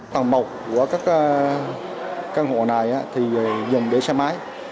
tầng một của các căn hộ này thì dùng để xe máy